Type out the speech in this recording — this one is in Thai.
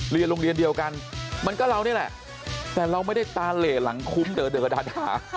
เรียนโรงเรียนเดียวกันมันก็เรานี่แหละแต่เราไม่ได้ตาเหล่หลังคุ้มเดอดา